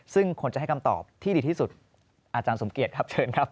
ซึ่งควรจะให้คำตอบที่ดีที่สุดอาจารย์สมเกียจครับเชิญครับ